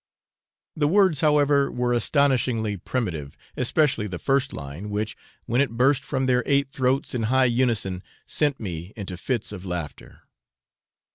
The words, however, were astonishingly primitive, especially the first line, which, when it burst from their eight throats in high unison, sent me into fits of laughter.